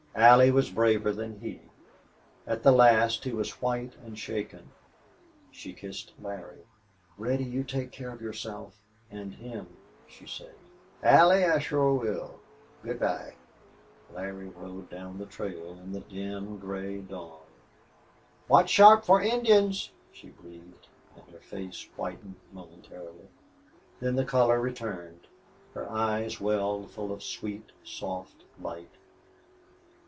Allie was braver than he. At the last he was white and shaken. She kissed Larry. "Reddy, you'll take care of yourself and him," she said. "Allie, I shore will. Good by." Larry rode down the trail in the dim gray dawn. "Watch sharp for Indians," she breathed, and her face whitened momentarily. Then the color returned. Her eyes welled full of sweet, soft light.